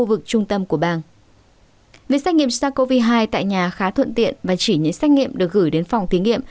việc xét nghiệm sars cov hai tại nhà khá thuận tiện và chỉ những xét nghiệm được gửi đến phòng thí nghiệm